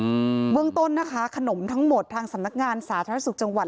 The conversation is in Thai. อืมเบื้องต้นนะคะขนมทั้งหมดทางสำนักงานสาธารณสุขจังหวัด